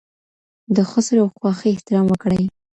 د خسر او خواښې احترام وکړئ.